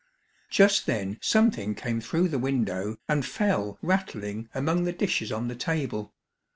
Just then something came through the window and fell rattling among the dishes on the table.